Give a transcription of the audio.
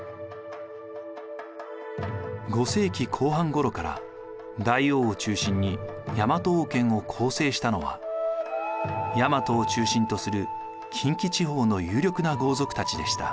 ５世紀後半ごろから大王を中心に大和王権を構成したのは大和を中心とする近畿地方の有力な豪族たちでした。